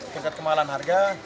tingkat kemahalan harga